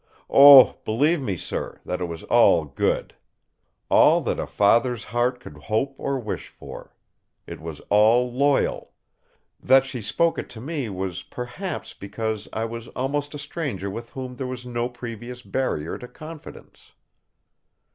Oh, believe me, sir, that it was all good! All that a father's heart could hope or wish for! It was all loyal! That she spoke it to me was perhaps because I was almost a stranger with whom there was no previous barrier to confidence."